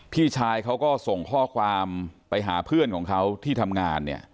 พี่ชายเขาก็ส่งข้อความไปหาเพื่อนของเขาที่ทำงานเนี่ย